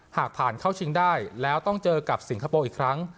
หากผ่านเข้าชิงได้แล้วต้องเจอกับสิงคโปร์อีกครั้ง